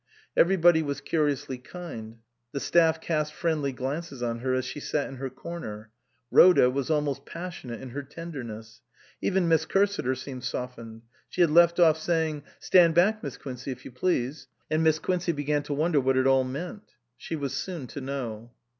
Everybody was curiously kind ; the staff cast friendly glances on her as she sat in her corner ; Rhoda was almost pas sionate in her tenderness. Even Miss Cursiter seemed softened. She had left off saying " Stand back, Miss Quincey, if you please "; and Miss Quincey began to wonder what it all meant. She was soon to know.